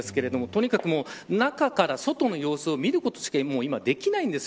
とにかく、中から外の様子を見ることしかできない状態です。